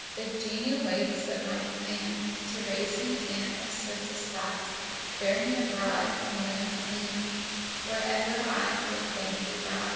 The geni waits but my command To raise me, and, as swift as thought, Bear me abroad, from land to land, Wherever I would fain be brought.